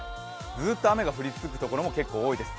ずっと雨が降り続くところも多いです。